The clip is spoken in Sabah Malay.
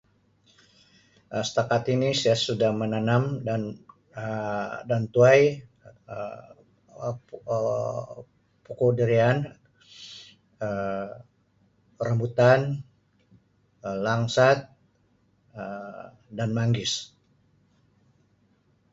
Um Setakat ini saya sudah menanam dan Um dan tuai Um Um pokok durian Um rambutan Um langsat Um dan manggis.